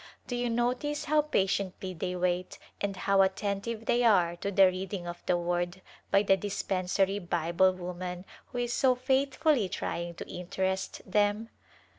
Do you notice how patiently they wait, and how attentive they are to the reading of the Word by the dispensary Bible woman who is so faithfully trying to interest them